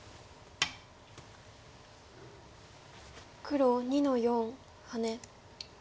黒２の四ハネ。